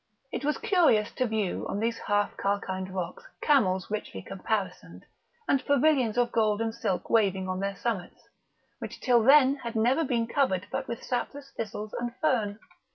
It was curious to view on these half calcined rocks camels richly caparisoned, and pavilions of gold and silk waving on their summits, which till then had never been covered but with sapless thistles and fern.